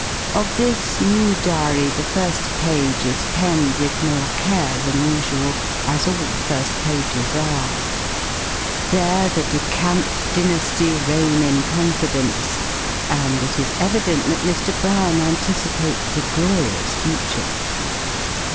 Of this new Diary the first page is penned with more care than usual as all first pages are: there the De Camp dynasty reign in confidence; and it is evident that Mr. Brown anticipates a glorious future.